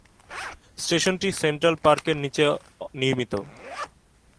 স্টেশনটি সেন্ট্রাল পার্কের নিচে নির্মিত।